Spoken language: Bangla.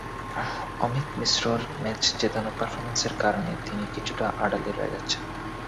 অমিত মিশ্রর ম্যাচ জেতানো পারফরম্যান্সের কারণে তিনি কিছুটা আড়ালে রয়ে যাচ্ছেন।